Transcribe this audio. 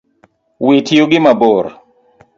Wit yugi mabor